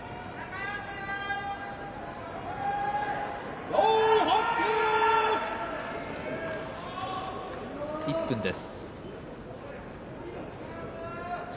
拍手１分です。